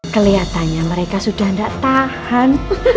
keliatannya mereka sudah gak tahan